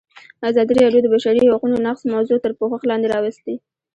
ازادي راډیو د د بشري حقونو نقض موضوع تر پوښښ لاندې راوستې.